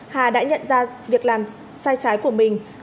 hà đã nhận ra việc làm sai trái của mình